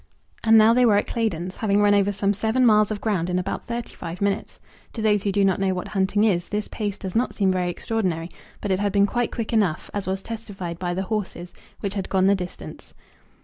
And now they were at Claydon's, having run over some seven miles of ground in about thirty five minutes. To those who do not know what hunting is, this pace does not seem very extraordinary; but it had been quite quick enough, as was testified by the horses which had gone the distance.